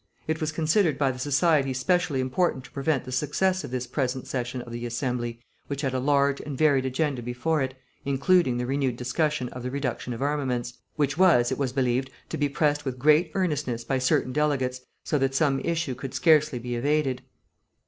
It was considered by the society specially important to prevent the success of this present session of the Assembly, which had a large and varied agenda before it, including the renewed discussion of the reduction of armaments, which was, it was believed, to be pressed with great earnestness by certain delegates, so that some issue could scarcely be evaded.